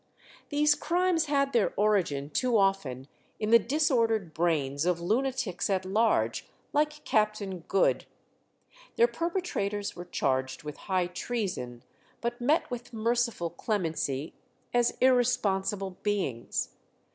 These crimes had their origin too often in the disordered brains of lunatics at large, like Captain Goode. Their perpetrators were charged with high treason, but met with merciful clemency as irresponsible beings.